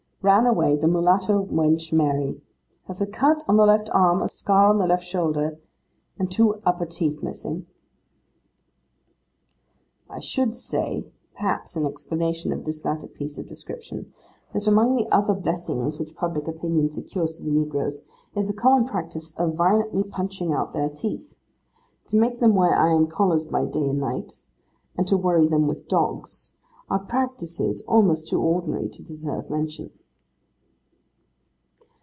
'Ran away, the Mulatto wench Mary. Has a cut on the left arm, a scar on the left shoulder, and two upper teeth missing.' I should say, perhaps, in explanation of this latter piece of description, that among the other blessings which public opinion secures to the negroes, is the common practice of violently punching out their teeth. To make them wear iron collars by day and night, and to worry them with dogs, are practices almost too ordinary to deserve mention.